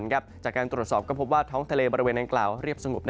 จากการตรวจสอบก็พบว่าท้องทะเลบริเวณอังกล่าวเรียบสงบ